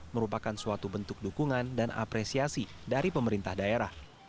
merupakan suatu bentuk dukungan dan apresiasi dari pemerintah daerah